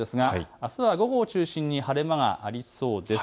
あすは午後を中心に晴れ間がありそうです。